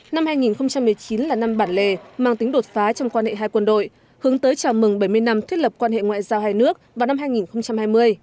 năm hai nghìn một mươi chín là năm bản lề mang tính đột phá trong quan hệ hai quân đội hướng tới chào mừng bảy mươi năm thiết lập quan hệ ngoại giao hai nước vào năm hai nghìn hai mươi